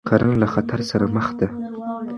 کرنه له خطر سره مخ ده.